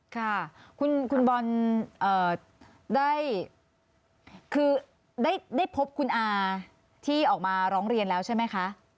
ค่ะคุณบอลได้คือได้พบคุณอาที่ออกมาร้องเรียนแล้วใช่ไหมคะ